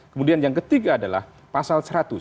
kemudian yang ketiga adalah pasal seratus